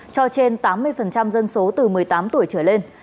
cho trên tám mươi dân số từ một mươi tám tuổi trở lên